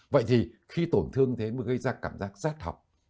vậy thì khi tổn thương thế mới gây ra cảm giác sát học